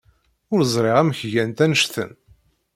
Ur ẓriɣ amek gant annect-en.